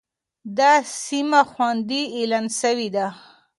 دا سيمه خوندي اعلان شوې ده.